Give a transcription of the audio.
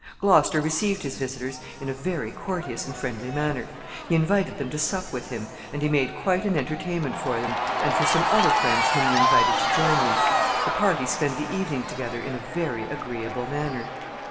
Gloucester received his visitors in a very courteous and friendly manner. He invited them to sup with him, and he made quite an entertainment for them, and for some other friends whom he invited to join them. The party spent the evening together in a very agreeable manner.